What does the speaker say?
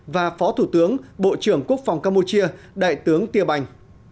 và phó thủ tướng bộ trưởng quốc phòng campuchia đại tướng tia bành